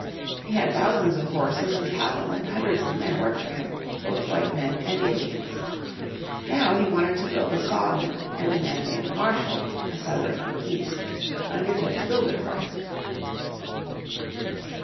He had thousands of horses and cattle, and hundreds of men worked for him, both white men and Indians. Now he wanted to build a saw mill and a man named Marshall, a settler from the East, undertook to build it for him.